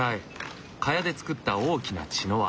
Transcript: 茅で作った大きな茅の輪。